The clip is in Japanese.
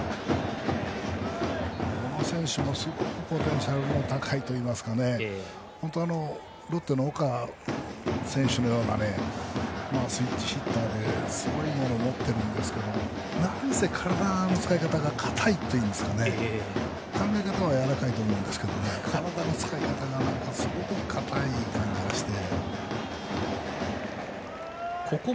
この選手もすごくポテンシャルが高いといいますかロッテの岡選手のようなスイッチヒッターですごいものを持っているんですけど体の使い方が硬いというか考え方はやわらかいと思うんですが体の使い方がすごく硬い感じがして。